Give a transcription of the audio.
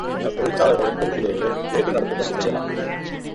அத்தொழிற்சாலைகளின் பொறுப்பிலேயே ஏற்று நடத்தும்படி செய்யலாம்.